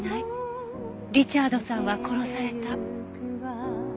リチャードさんは殺された。